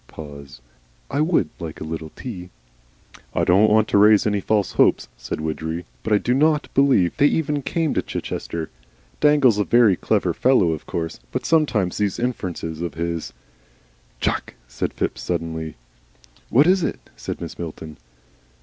Pause. "I WOULD like a little tea." "I don't want to raise any false hopes," said Widgery. "But I do NOT believe they even came to Chichester. Dangle's a very clever fellow, of course, but sometimes these Inferences of his " "Tchak!" said Phipps, suddenly. "What is it?" said Mrs. Milton.